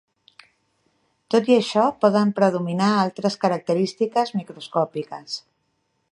Tot i això, poden predominar altres característiques microscòpiques.